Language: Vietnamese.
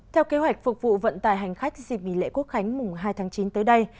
theo kế hoạch phục vụ vận tải hành khách dịp nghỉ lễ quốc khánh mùng hai tháng chín tới đây